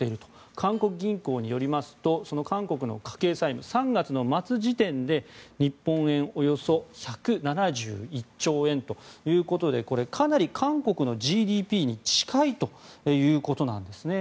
韓国銀行によりますと韓国の家計債務は３月の末時点で日本円およそ１７１兆円ということでこれ、かなり韓国のＧＤＰに近いということなんですね。